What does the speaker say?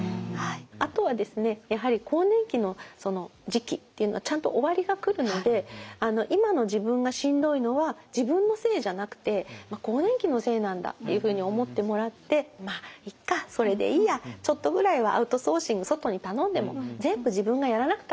あとはですねやはり更年期の時期っていうのはちゃんと終わりが来るので今の自分がしんどいのは自分のせいじゃなくて更年期のせいなんだっていうふうに思ってもらってまあいっかそれでいいやちょっとぐらいはアウトソーシング外に頼んでも全部自分がやらなくたって。